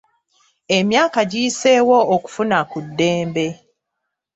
Emyaka giyiseewo okufuna ku ddembe.